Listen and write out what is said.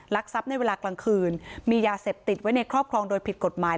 ทรัพย์ในเวลากลางคืนมียาเสพติดไว้ในครอบครองโดยผิดกฎหมาย